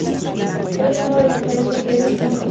Era hermano de Rafael Contreras y Muñoz.